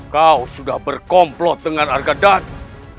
kau sudah berkomplot dengan harga daging